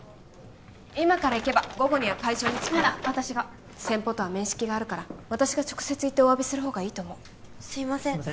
今から行けば午後には会場に着くなら私が先方とは面識があるから私が直接行ってお詫びする方がいいと思うすいません